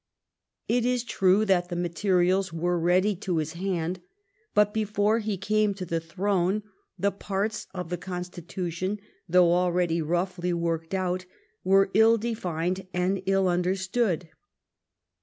It is true that the materials were ready to his hand. But before he came to the throne the parts of the constitution, though already roughly worked out, were ill defined and ill understood.